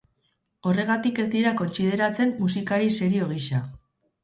Horregatik ez dira kontsideratzen musikari serio gisa.